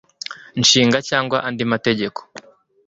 nshinga cyangwa andi mategeko